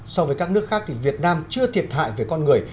so với các nước khác thì việt nam chưa thiệt hại về con người